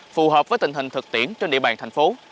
phù hợp với tình hình thực tiễn trên địa bàn thành phố